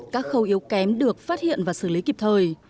các khâu yếu kém được phát hiện và xử lý kịp thời